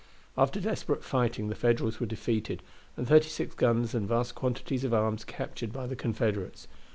After desperate fighting the Federals were defeated, and thirty six guns and vast quantities of arms captured by the Confederates.